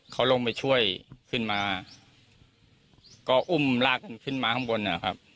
เขาลงไปช่วยขึ้นมาก็อุ้มลากกันขึ้นมาข้างบนนะครับ